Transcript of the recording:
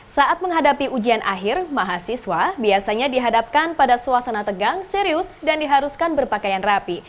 saat menghadapi ujian akhir mahasiswa biasanya dihadapkan pada suasana tegang serius dan diharuskan berpakaian rapi